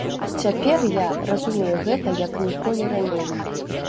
Цяпер я разумею гэта як ніколі раней.